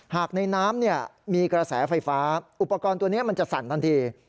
หากในน้ำมีกระแสไฟฟ้าอุปกรณ์ตัวนี้มันจะสั่นทันที